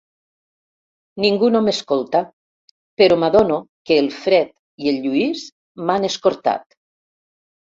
Ningú no m'escolta, però m'adono que el Fred i el Lluís m'han escortat.